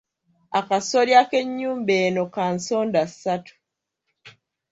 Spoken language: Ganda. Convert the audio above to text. Akasolya k'ennyumba eno ka nsondassatu.